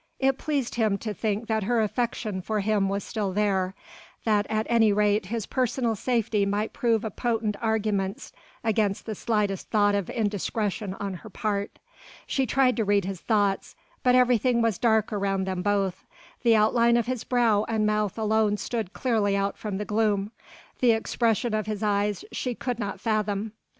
It pleased him to think that her affection for him was still there, that at any rate his personal safety might prove a potent argument against the slightest thought of indiscretion on her part. She tried to read his thoughts, but everything was dark around them both, the outline of his brow and mouth alone stood clearly out from the gloom: the expression of his eyes she could not fathom.